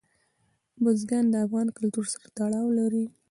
بزګان د افغان کلتور سره تړاو لري.